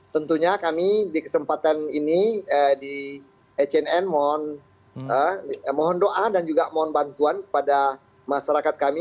tentunya kami di kesempatan ini di ecnn mohon doa dan juga mohon bantuan kepada masyarakat kami